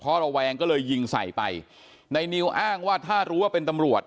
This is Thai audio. เพราะระแวงก็เลยยิงใส่ไปในนิวอ้างว่าถ้ารู้ว่าเป็นตำรวจ